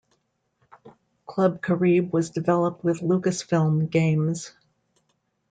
Club Caribe was developed with Lucasfilm Games.